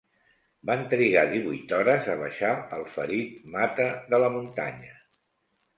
Van trigar divuit hores a baixar el ferit Mata de la muntanya.